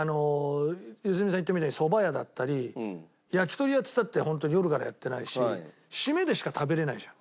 良純さん言ったみたいにそば屋だったり焼き鳥屋っつったってホントに夜からやってないしシメでしか食べられないじゃん。